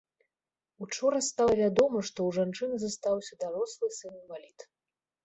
Учора стала вядома, што ў жанчыны застаўся дарослы сын-інвалід.